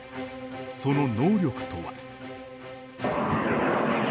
その能力とは。